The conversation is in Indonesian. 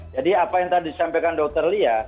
jadi apa yang tadi disampaikan dokter lia